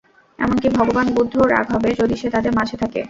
এমনকি ভগবান বুদ্ধও রাগ হবে, যদি সে তাদের মাঝে থাকে।